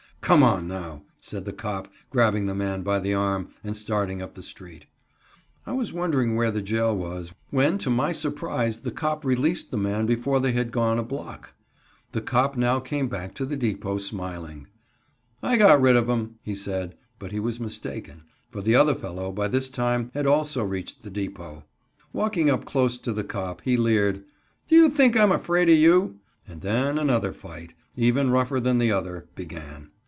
"Come on now," said the cop, grabbing the man by the arm, and starting up the street. I was wondering where the jail was, when to my surprise the cop released the man before they had gone a block. The cop now came back to the depot, smiling. "I got rid o' him," he said, but he was mistaken, for the other fellow, by this time, had also reached the depot. Walking up close to the cop, he leered: "Do you think I'm afraid of you?" and then another fight, even rougher than the other, began.